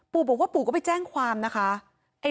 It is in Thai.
ปู่บอกว่าปู่ก็ไปแจ้งความนะคะ